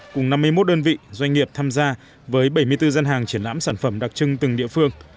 cùng năm mươi một đơn vị doanh nghiệp tham gia với bảy mươi bốn dân hàng triển lãm sản phẩm đặc trưng từng địa phương